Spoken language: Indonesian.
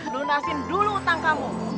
lunasin dulu utang kamu